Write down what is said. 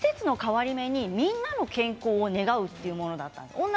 これは季節の変わり目にみんなの健康を願うというものなんです。